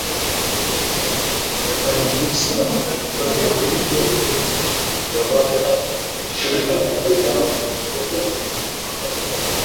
Anvisa hufanya vivyo hivyo na Utawala wa Chakula na Dawa wa Merika